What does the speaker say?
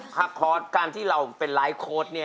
เพราะการที่เราเป็นไลฟ์โค้ดนี่